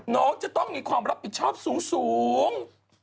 น้องจะต้องมีความรับผิดชอบสูง